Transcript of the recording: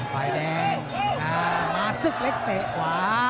ไฟแดงมาสึกเล็กเตะขวา